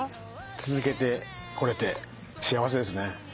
続けてこれて幸せですね。